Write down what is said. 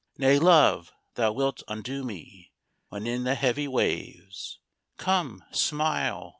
II Nay, love! thou wilt undo me When in the heavy waves! Come, smile!